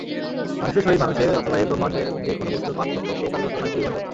মানুষের সহিত মানুষের অথবা এই ব্রহ্মাণ্ডের যে-কোন বস্তুর পার্থক্য প্রকারগত নয়, পরিমাণগত।